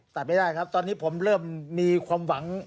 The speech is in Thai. ตัดไม่ได้ครับตอนนี้ผมเริ่มมีความหวัง